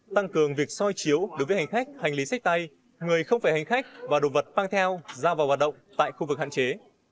tăng cường việc soi chiếu đối với hành khách hành lý sách tay người không phải hành khách và đồ vật mang theo ra vào hoạt động tại khu vực hạn chế